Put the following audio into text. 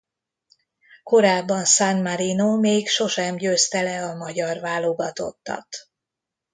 Korábban San Marino még sosem győzte le a magyar válogatottat.